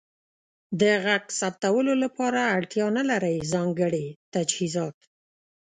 د غږ ثبتولو لپاره اړتیا نلرئ ځانګړې تجهیزات.